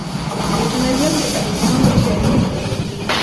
برتانويان د ایوب خان هوښیاري نه پوهېږي.